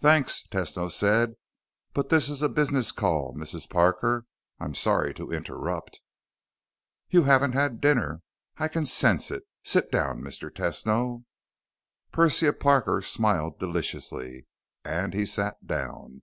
"Thanks," Tesno said, "but this is a business call, Mrs. Parker. I'm sorry to interrupt...." "You haven't had dinner; I can sense it. Sit down, Mr. Tesno." Persia Parker smiled deliciously, and he sat down.